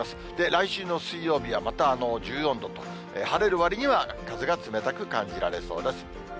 来週の水曜日はまた１４度と、晴れるわりには風が冷たく感じられそうです。